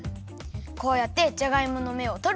こうやってじゃがいものめをとるよ。